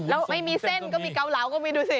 แล้วไม่มีเส้นก็มีเกาเหลาก็มีดูสิ